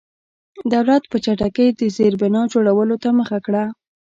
دولت په چټکۍ د زېربنا جوړولو ته مخه کړه.